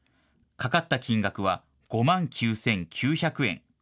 かかった金額は５万９９００円。